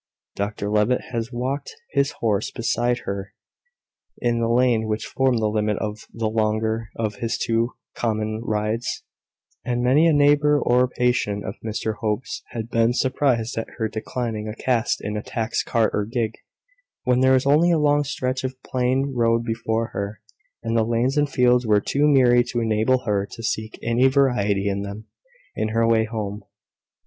Dr Levitt had walked his horse beside her in the lane which formed the limit of the longer of his two common rides; and many a neighbour or patient of Mr Hope's had been surprised at her declining a cast in a taxed cart or gig, when there was only a long stretch of plain road before her, and the lanes and fields were too miry to enable her to seek any variety in them, in her way home.